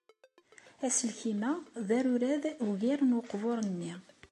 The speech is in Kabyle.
Aselkim-a d arurad ugar n uqbur-nni.